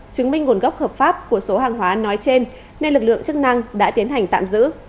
chứng minh nguồn gốc hợp pháp của số hàng hóa nói trên nên lực lượng chức năng đã tiến hành tạm giữ